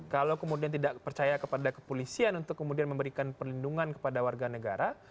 kalau kemudian tidak percaya kepada kepolisian untuk kemudian memberikan perlindungan kepada warga negara